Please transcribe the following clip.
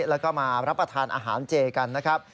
แล้วก็มารับประทานอาหารเจกันนะครับ